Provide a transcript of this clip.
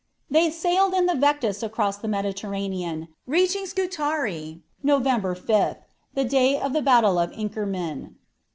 They sailed in the Vectis across the Mediterranean, reaching Scutari, Nov. 5, the day of the battle of Inkerman.